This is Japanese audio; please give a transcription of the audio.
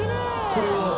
これは？